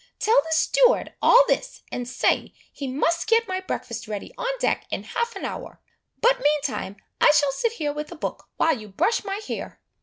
Tell the steward all this, and say, he must get my breakfast ready on deck in half an hour; but meantime, I shall sit here with a book while you brush my hair."